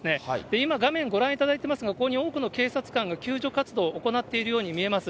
今、画面ご覧いただいていますが、ここに多くの警察官が救助活動を行っているように見えます。